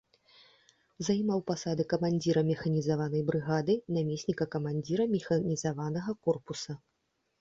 Займаў пасады камандзіра механізаванай брыгады, намесніка камандзіра механізаванага корпуса.